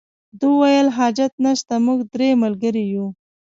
ده وویل حاجت نشته موږ درې ملګري یو.